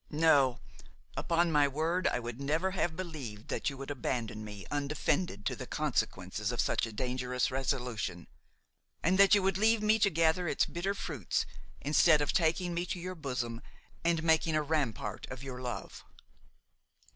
No, upon my word I would never have believed that you would abandon me undefended to the consequences of such a dangerous resolution, and that you would leave me to gather its bitter fruits instead of taking me to your bosom and making a rampart of your love.